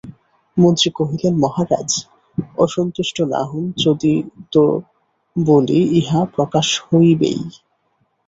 মন্ত্রী কহিলেন, মহারাজ, অসন্তুষ্ট না হন যদি তো বলি ইহা প্রকাশ হইবেই।